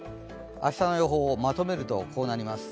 明日の予報、まとめるとこうなります。